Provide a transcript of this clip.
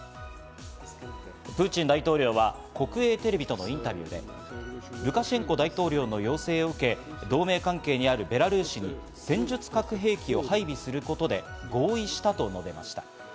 プーチン大統領は国営テレビとのインタビューで、ルカシェンコ大統領の要請を受け、同盟関係にあるベラルーシに戦術核兵器を配備することで、合意したと述べました。